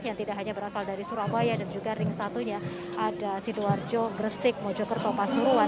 yang tidak hanya berasal dari surabaya dan juga ring satunya ada sidoarjo gresik mojokerto pasuruan